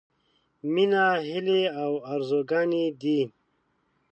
— مينه هيلې او ارزوګانې دي.